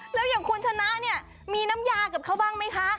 แล้วอย่างคุณชนะเนี่ยมีน้ำยากับเขาบ้างไหมคะ